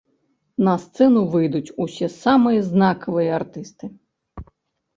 На сцэну выйдуць усе самыя знакавыя артысты.